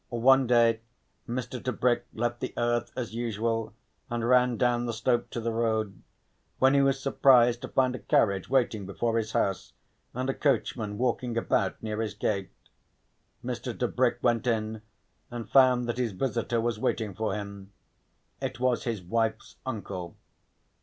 One day Mr. Tebrick left the earth as usual and ran down the slope to the road, when he was surprised to find a carriage waiting before his house and a coachman walking about near his gate. Mr. Tebrick went in and found that his visitor was waiting for him. It was his wife's uncle.